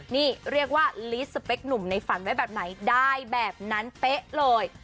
นี่เรียกว่าลีสสเปคหนุ่มในฝันไว้แบบไหนได้แบบนั้นเป๊ะเลย